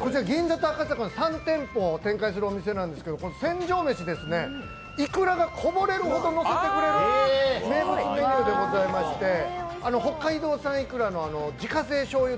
こちら銀座と赤坂、３店舗を展開するお店なんですけど船上めし、いくらがこぼれるほど乗せてくれる名物メニューでございまして北海道産いくらの自家製しょうゆ